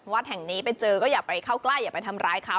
วัดแห่งนี้ไปเจอก็อย่าไปเข้าใกล้อย่าไปทำร้ายเขา